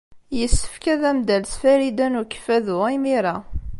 Yessefk ad am-d-tales Farida n Ukeffadu imir-a.